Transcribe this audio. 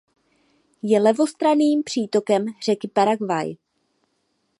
Je levostranným přítokem řeky Paraguay.